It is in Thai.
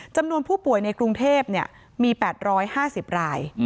จำนวนผู้ป่วยในกรุงเทพมี๘๕๐ราย